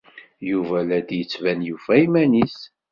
Yuba la d-yettban yufa iman-nnes.